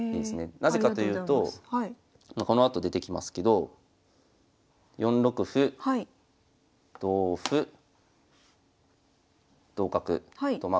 なぜかというとこのあと出てきますけど４六歩同歩同角とまあ